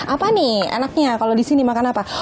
apa nih enaknya kalau di sini makan apa